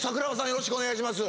よろしくお願いします